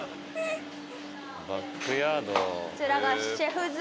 こちらがシェフズ。